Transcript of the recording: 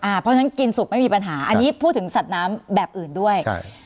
เพราะฉะนั้นกินสุกไม่มีปัญหาอันนี้พูดถึงสัตว์น้ำแบบอื่นด้วยใช่